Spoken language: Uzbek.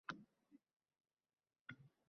Hozir oʻlib qolsam kerak, deb oʻyladim nimagadir.